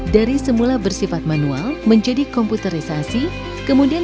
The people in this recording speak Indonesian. dari semula bersifat manual mencapai kembali ke perkembangan perbankan